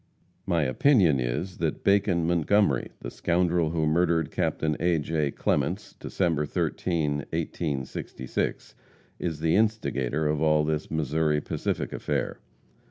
My opinion is that Bacon Montgomery, the scoundrel who murdered Capt. A. J. Clements, December 13, 1866, is the instigator of all this Missouri Pacific affair.